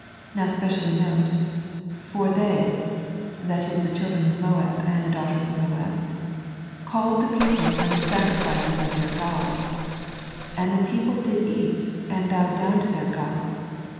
Now specially notice, "for they" — that is the children of Moab, and the daughters of Moab, " called the people unto the sacrifices of 98 A First Century Message their gods; and the people did eat, and bowed down to their gods.